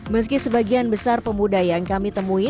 meski sebagian besar pemuda yang kami temui